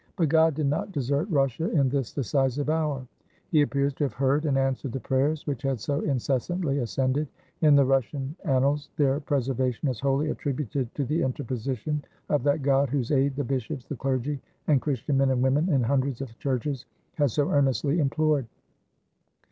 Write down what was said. But God did not desert Russia in this decisive hour. He appears to have heard and answered the prayers which had so incessantly ascended. In the Russian an nals, their preservation is wholly attributed to the inter position of that God whose aid the bishops, the clergy, and Christian men and women in hundreds of churches had so earnestly implored.